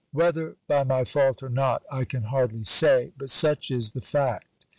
Whether by my fault or not, I can hardly say: but such is the fact.